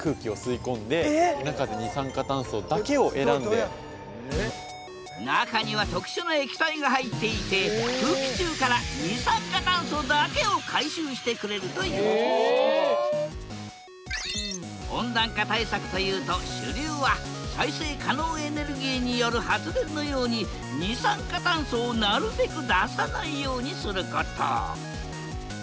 ここにあるんですけど中には特殊な液体が入っていて空気中から二酸化炭素だけを回収してくれるという温暖化対策というと主流は再生可能エネルギーによる発電のように二酸化炭素をなるべく出さないようにすること。